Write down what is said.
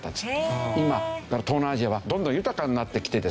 今東南アジアはどんどん豊かになってきてですね